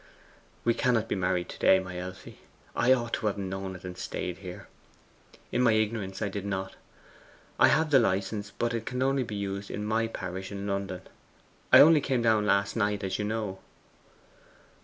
'We cannot be married here to day, my Elfie! I ought to have known it and stayed here. In my ignorance I did not. I have the licence, but it can only be used in my parish in London. I only came down last night, as you know.